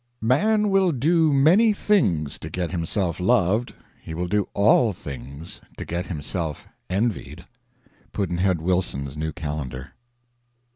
Man will do many things to get himself loved, he will do all things to get himself envied. Pudd'nhead Wilson's New Calendar.